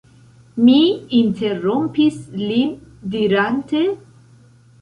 Mi interrompis lin dirante: